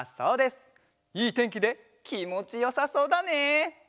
いいてんきできもちよさそうだね！